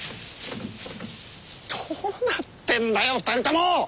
どうなってんだよ２人とも！？